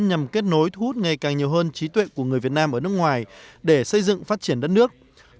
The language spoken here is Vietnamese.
nhằm kết nối thu hút ngày càng nhiều hơn trí tuệ của người việt nam ở nước ngoài để xây dựng phát triển đất nước